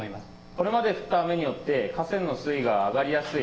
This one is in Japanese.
これまで降った雨によって、河川の水位が上がりやすい。